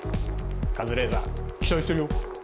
カズレーザー期待してるよ！